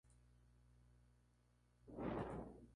En ese país residió en las ciudades de Nueva York, Las Vegas y Miami.